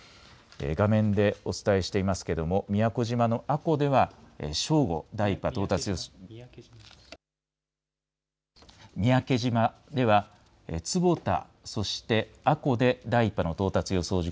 画面でお伝えしていますけれども三宅島の阿古では正午、第１波到達予想です。